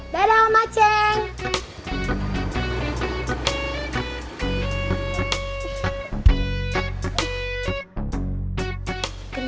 dadah omah ceng